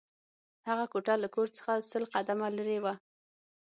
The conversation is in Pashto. هغه کوټه له کور څخه سل قدمه لېرې وه